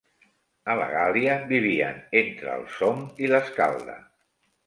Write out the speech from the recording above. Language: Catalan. A la Gàl·lia vivien entre el Somme i l'Escalda.